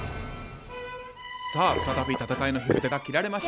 さあ再び戦いの火ぶたが切られました。